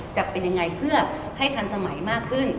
จะเป็นยังไงเพื่อให้ทันสมัยมากขึ้น